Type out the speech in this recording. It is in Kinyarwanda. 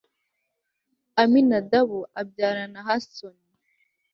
aminadabu abyara nahasoni